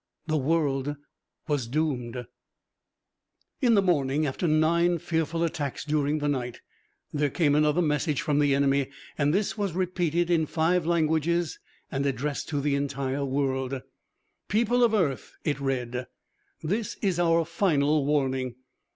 The world was doomed! In the morning, after nine fearful attacks during the night, there came another message from the enemy and this was repeated in five languages and addressed to the entire world: "People of Earth," it read, "this is our final warning.